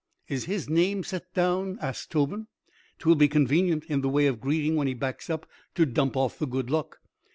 "Is his name set down?" asks Tobin. "'Twill be convenient in the way of greeting when he backs up to dump off the good luck."